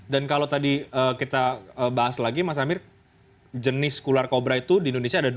dan kalau tadi kita bahas lagi mas amir jenis ular kobra itu di indonesia ada apa